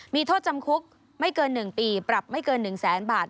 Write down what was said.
มีโทษจำคุกไม่เกิน๑ปีปรับไม่เกิน๑แสนบาท